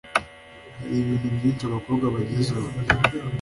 «hari ibintu byinshi abakobwa bagezeho